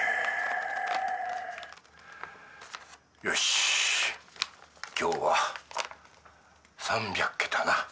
よし今日は３００桁な。